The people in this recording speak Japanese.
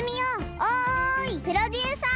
おいプロデューサー！